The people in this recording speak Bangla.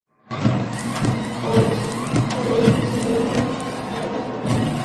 পড়েছেও খটখটে রাস্তার ওপর।